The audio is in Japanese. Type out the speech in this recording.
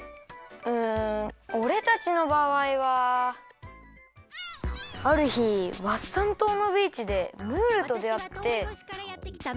うんおれたちのばあいはあるひワッサン島のビーチでムールとであって。